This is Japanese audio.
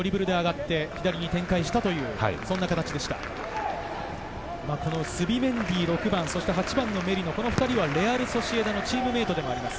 ６番・スビメンディ、８番のメリノ、この２人はレアル・ソシエダのチームメートです。